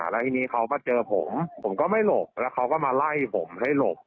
แล้วทีนี้เขามาเจอผมผมก็ไม่หลบแล้วเขาก็มาไล่ผมให้หลบ